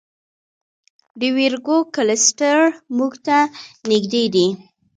د ویرګو کلسټر موږ ته نږدې دی.